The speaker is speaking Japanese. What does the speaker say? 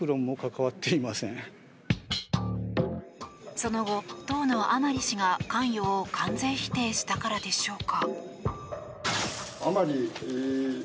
その後、当の甘利氏が関与を完全否定したからでしょうか。